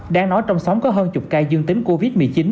đáng nói trong sống có hơn chục ca dương tính covid một mươi chín